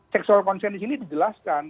sexual consent disini dijelaskan